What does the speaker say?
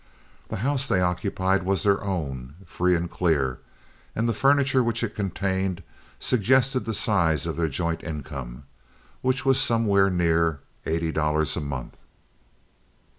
The house they occupied was their own, free and clear, and the furniture which it contained suggested the size of their joint income, which was somewhere near eighty dollars a month.